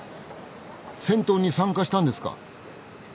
戦闘に参加したんですか！？